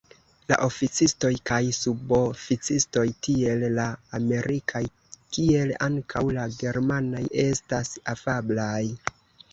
La oficistoj kaj suboficistoj, tiel la amerikaj kiel ankaŭ la germanaj, estas afablaj.